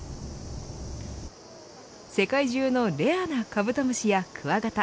世界中のレアなカブトムシやクワガタ